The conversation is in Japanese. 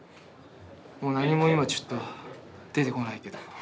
もう何も今ちょっと出てこないけど。